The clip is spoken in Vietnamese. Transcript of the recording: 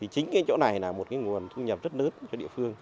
chính cái chỗ này là một nguồn thu nhập rất lớn cho địa phương